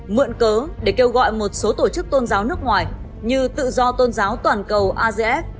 mượn cớ để kêu gọi một số tổ chức tôn giáo nước ngoài như tự do tôn giáo toàn cầu